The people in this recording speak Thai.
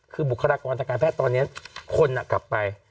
คือบุคลากรทางการแพทย์ตอนนี้คนกลับไป